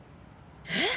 えっ！